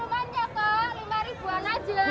ya kawan bumbu banjir kok lima an aja